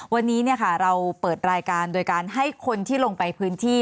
วันนี้เราเปิดรายการโดยการให้คนที่ลงไปพื้นที่